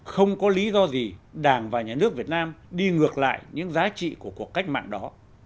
không có lý do gì đảng và nhà nước việt nam đi ngược lại những giá trị của cuộc cách mạng đó